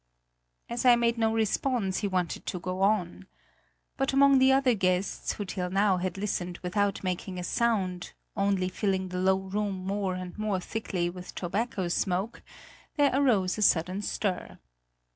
As I made no response, he wanted to go on. But among the other guests, who till now had listened without making a sound, only filling the low room more and more thickly with tobacco smoke, there arose a sudden stir.